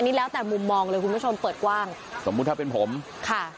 นี่แล้วแต่มุมมองเลยคุณผู้ชมเปิดกว้างสมมุติถ้าเป็นผมค่ะ